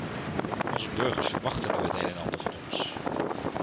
Onze burgers verwachten nu het een en ander van ons.